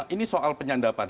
ini soal penyandapan